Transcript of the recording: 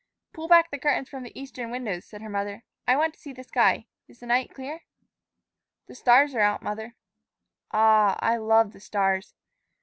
"Pull back the curtains from the eastern windows," said her mother; "I want to see the sky. Is the night clear?" "The stars are out, mother." "Ah, I love the stars!"